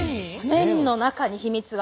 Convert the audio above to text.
麺の中に秘密が。